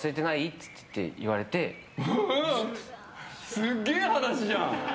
すっげえ話じゃん！